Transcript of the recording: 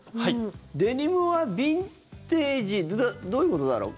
デニムはビンテージどういうことだろう？